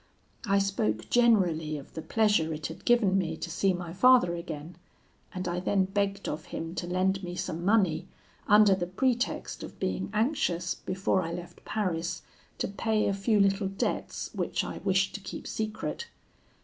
I spoke generally of the pleasure it had given me to see my father again; and I then begged of him to lend me some money, under the pretext of being anxious before I left Paris to pay a few little debts, which I wished to keep secret.